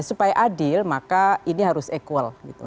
supaya adil maka ini harus equal gitu